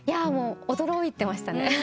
驚いてましたね。